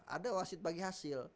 ada wasit bagi hasil